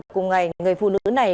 cùng ngày người phụ nữ này